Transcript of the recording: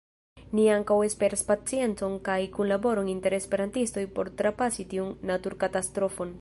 Ni ankaŭ esperas paciencon kaj kunlaboron inter esperantistoj por trapasi tiun naturkatastrofon.